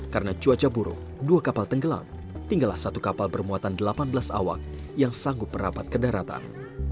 karena cuaca buruk dua kapal tenggelam tinggalah satu kapal bermuatan delapan belas awak yang sanggup merapat ke daratan